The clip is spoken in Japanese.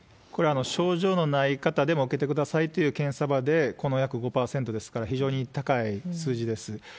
これは症状のない方でも受けてくださいという検査場で、この約５％ですから、非常に高い数字です。